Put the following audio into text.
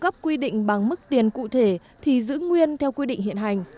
các phụ cấp quy định bằng mức tiền cụ thể thì giữ nguyên theo quy định hiện hành